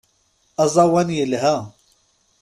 Aẓawan yelha.